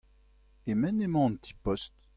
E-men emañ an ti-post ?